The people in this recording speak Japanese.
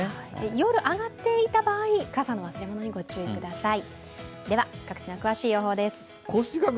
夜上がっていた場合、傘の忘れ物にご注意ください。